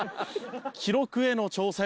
記録への挑戦